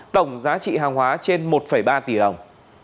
tổng giá trị hàng hóa trên một ba tỷ đồng